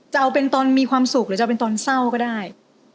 จะเอาเป็นตอนมีความสุขหรือจะเป็นตอนเศร้าก็ได้